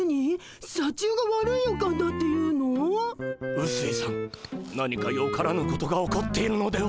うすいさん何かよからぬことが起こっているのでは？